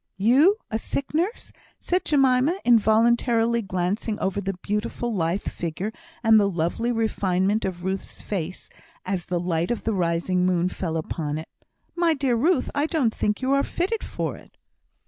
"You, a sick nurse!" said Jemima, involuntarily glancing over the beautiful lithe figure, and the lovely refinement of Ruth's face as the light of the rising moon fell upon it. "My dear Ruth, I don't think you are fitted for it!"